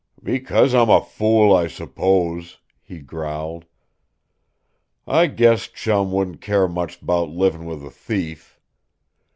"Because I'm a fool, I s'pose," he growled. "I guess Chum wouldn't care much 'bout livin' with a thief.